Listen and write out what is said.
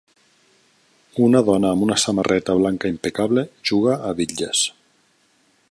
Una dona amb una samarreta blanca impecable juga a bitlles.